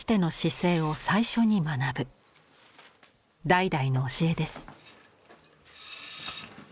代々の教えです。